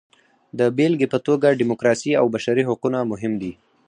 د بېلګې په توګه ډیموکراسي او بشري حقونه مهم دي.